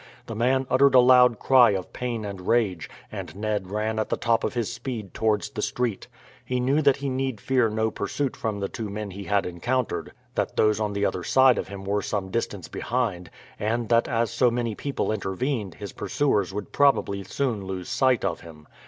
The man uttered a loud cry of pain and rage, and Ned ran at the top of his speed towards the street. He knew that he need fear no pursuit from the two men he had encountered, that those on the other side of him were some distance behind, and that as so many people intervened his pursuers would probably soon lose sight of him.